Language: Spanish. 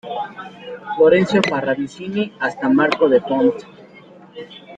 Florencio Parravicini hasta Marco de Pont.